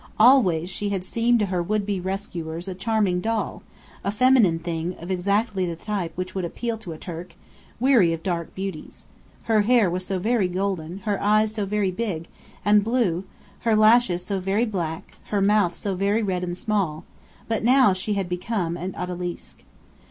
Always she had seemed to her would be rescuers a charming doll, a feminine thing of exactly the type which would appeal to a Turk, weary of dark beauties: her hair was so very golden, her eyes so very big and blue, her lashes so very black, her mouth so very red and small: but now she had become an odalisque.